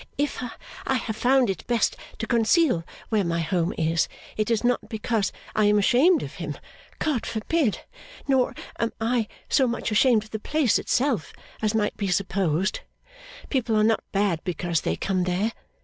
'If I have found it best to conceal where my home is, it is not because I am ashamed of him. God forbid! Nor am I so much ashamed of the place itself as might be supposed. People are not bad because they come there.